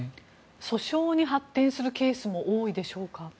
訴訟に発展するケースも多いでしょうか？